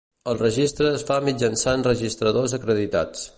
El registre es fa mitjançant registradors acreditats.